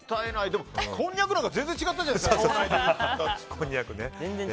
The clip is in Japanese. でも、こんにゃくなんか全然違ったじゃないですか。